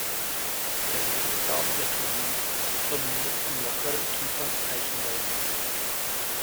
Der Lebensraum der Schlange ist dominiert von lockeren Kiefern-Eichen-Wäldern.